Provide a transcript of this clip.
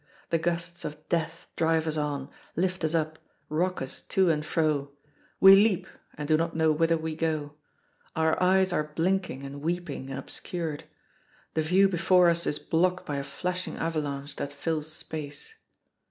The gusts of death drive us on, lift us up, rock us to and fro. We leap, and do not know whither we go. Our eyes are blinking and weeping and obscured. The view before us is blocked by a flashing avalanche that fills space.